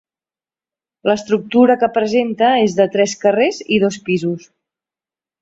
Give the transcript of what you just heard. L'estructura que presenta és de tres carrers i dos pisos.